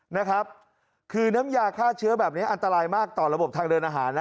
นะครับคือน้ำยาฆ่าเชื้อแบบนี้อันตรายมากต่อระบบทางเดินอาหารนะ